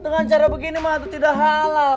dengan cara begini mah itu tidak halal